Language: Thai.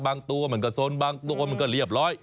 ตัวมันก็สนบางตัวมันก็เรียบร้อย